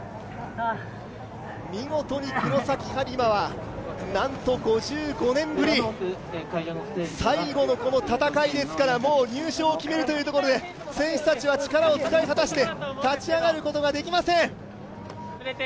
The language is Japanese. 見事に黒崎播磨は、なんと５５年ぶり最後の戦いですから、もう入賞を決めるというところで選手たちは力を使い果たして立ち上がることができません。